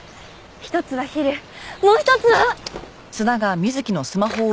一つはヒルもう一つは。